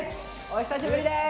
お久しぶりです！